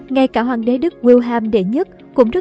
ngay cả hoàng đế đức wilhelm i